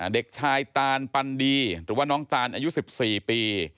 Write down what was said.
เด็กชายตานปันดีหรือว่าน้องตานอายุ๑๔ปี